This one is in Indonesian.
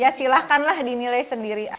ya silahkanlah dinilai sendiri